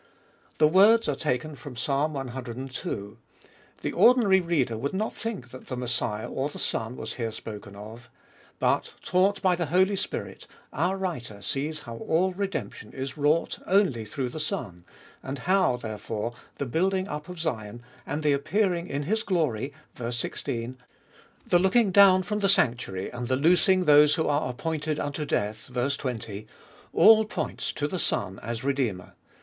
The words are taken from Ps. cii. The ordinary reader would not think that the Messiah or the Son was here spoken of. But, taught by the Holy Spirit, our writer sees how all redemption is wrought only through the Son, and how, there fore, the building up of Zion and the appearing in His glory (ver. 1 6), the looking down from the sanctuary and the loosing those who are appointed unto death (ver. 20), all points to the Son as Redeemer.